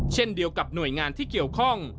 เช่นเดียวกับหน่วยงานที่เกี่ยวข้อง